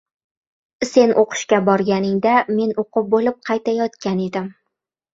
• Sen o‘qishga borganingda, men o‘qib bo‘lib, qaytayotgan edim.